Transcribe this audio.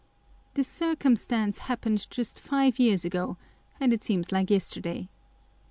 This circumstance happened just five years ago, and it seems like yesterday.